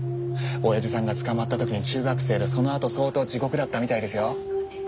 親父さんが捕まった時に中学生でそのあと相当地獄だったみたいですよ。